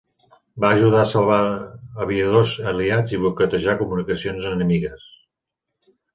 Va ajudar a salvar aviadors aliats i boicotejar comunicacions enemigues.